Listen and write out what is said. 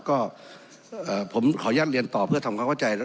ก็ผมขออนุญาตเรียนต่อเพื่อทำความเข้าใจ